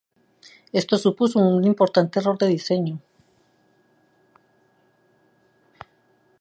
Esto supuso un importante error de diseño.